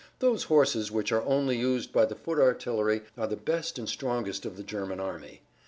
Those horses, which are only used by the foot artillery, are the best and strongest of the German army.